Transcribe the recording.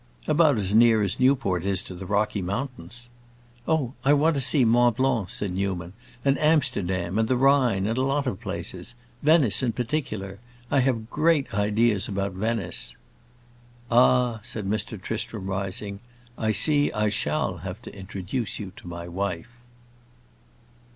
"About as near as Newport is to the Rocky Mountains." "Oh, I want to see Mont Blanc," said Newman, "and Amsterdam, and the Rhine, and a lot of places. Venice in particular. I have great ideas about Venice." "Ah," said Mr. Tristram, rising, "I see I shall have to introduce you to my wife!"